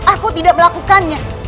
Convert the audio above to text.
aku tidak melakukannya